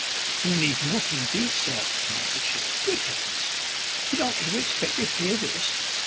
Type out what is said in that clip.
"You need not, indeed, sir," answered she. "Good Heavens! did I ever expect to hear this?